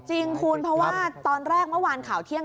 จริงคุณเพราะว่าตอนแรกเมื่อวานข่าวเที่ยง